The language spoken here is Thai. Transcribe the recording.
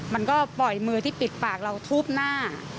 มันก็ปล่อยมือที่ปิดปากเราทูบหน้า